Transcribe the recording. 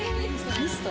ミスト？